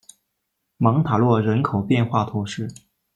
芒塔洛人口变化图示